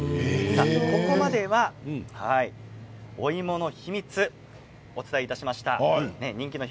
ここまではお芋の秘密お伝えしました。